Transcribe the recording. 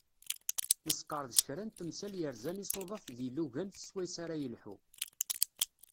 Nesqerdec kra n temsal yerzan isuḍaf d yilugan i swayes ara yelḥu.